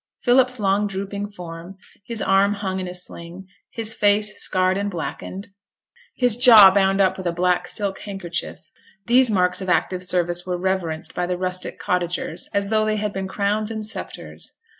Philip's long drooping form, his arm hung in a sling, his face scarred and blackened, his jaw bound up with a black silk handkerchief; these marks of active service were reverenced by the rustic cottagers as though they had been crowns and sceptres.